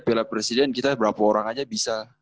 piala presiden kita berapa orang aja bisa